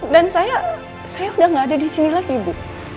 dan saya saya sudah tidak ada di sini lagi bu